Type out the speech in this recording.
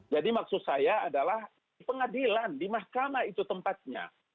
jadi maksud saya adalah di pengadilan di mahkamah itu tempatnya